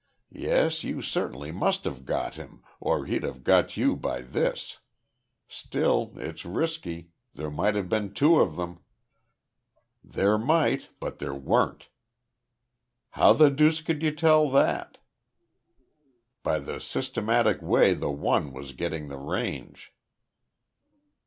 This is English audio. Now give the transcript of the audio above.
"Yes, you certainly must have `got him,' or he'd have got you by this. Still, it's risky. There might have been two of them." "There might, but there weren't." "How the deuce could you tell that?" "By the systematic way the one was getting the range."